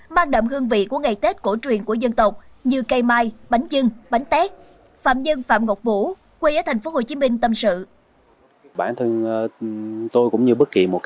mang đậm hương vị của ngày tết cổ truyền của dân tộc như cây mai bánh dưng bánh tét